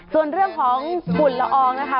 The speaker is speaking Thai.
ส่วนเรื่องของฝุ่นละอองนะคะ